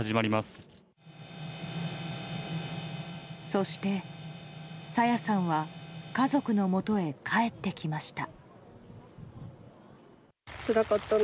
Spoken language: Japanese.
そして、朝芽さんは家族のもとへ帰ってきました。